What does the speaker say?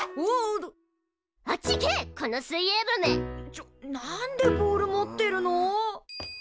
ちょなんでボール持ってるの？